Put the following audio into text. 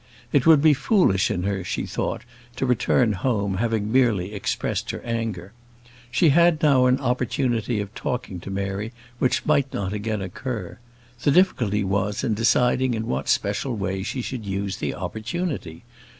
It would be foolish in her, she thought, to return home, having merely expressed her anger. She had now an opportunity of talking to Mary which might not again occur: the difficulty was in deciding in what special way she should use the opportunity.